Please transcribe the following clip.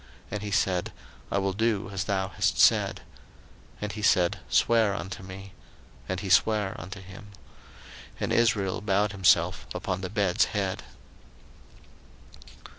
And he said, I will do as thou hast said. 01:047:031 And he said, Swear unto me. And he sware unto him. And Israel bowed himself upon the bed's head.